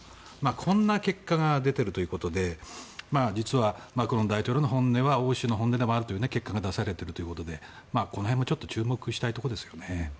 こんな結果が出てるということで実はマクロン大統領の本音は欧州の本音でもあるという結果が出されていてこの辺も注目したいところですよね。